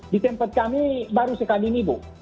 di tempat kami baru sekali ini bu